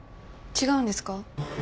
違うんですか？